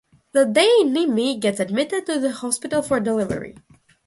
That day Nimmi gets admitted to the hospital for delivery.